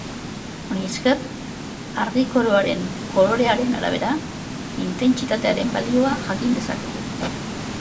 Honi esker, argi-koroaren kolorearen arabera intentsitatearen balioa jakin dezakegu.